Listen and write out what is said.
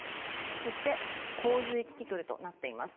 そして洪水キキクルとなっています。